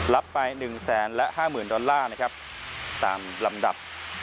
รับไปหนึ่งแสนและห้าหมื่นดอลลาร์นะครับตามลำดับ